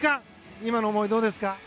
今の思い、どうですか。